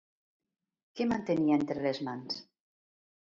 Què mantenia entre les mans?